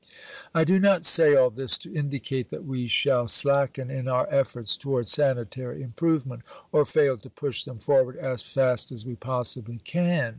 I do not say all this to indicate that we shall slacken in our efforts towards sanitary improvement, or fail to push them forward as fast as we possibly can.